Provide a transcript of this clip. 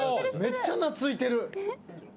めっちゃ懐いてる。